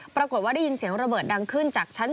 ปรากฏว่าได้ยินเสียงระเบิดดังขึ้นจากชั้น๒